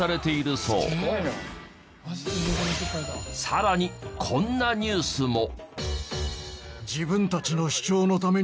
さらにこんなニュースも。